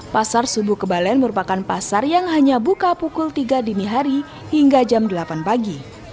pasar subuh kebalen merupakan pasar yang hanya buka pukul tiga dini hari hingga jam delapan pagi